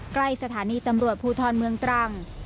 สถานีตำรวจภูทรเมืองตรัง